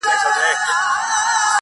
هغه د شنه ځنګله په څنډه کي سرتوره ونه؛